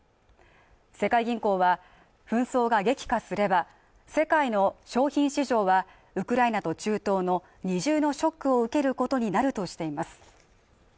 世界銀行は紛争が激化すれば世界の商品市場はウクライナと中東の二重のショックを受けることになるとしています